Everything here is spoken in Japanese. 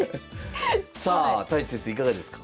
さあ太地先生いかがですか？